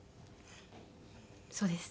そうです。